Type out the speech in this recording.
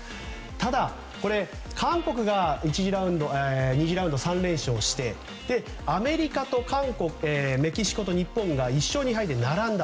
ただ、韓国が２次ラウンドで３連勝してアメリカとメキシコと日本が１勝２敗で並んだ。